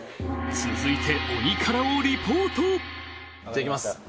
続いて鬼辛をリポートじゃあいきます